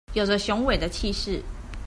有著雄偉的氣勢